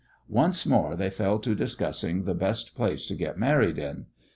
Once more they fell to discussing the best place to get married in.